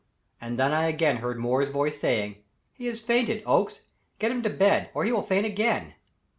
And then I again heard Moore's voice saying: "He has fainted, Oakes. Get him to bed, or he will faint again."